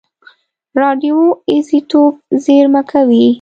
راډیو ایزوتوپ زېرمه کوي.